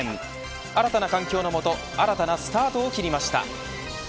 新たな環境の下新たなスタートを切りました。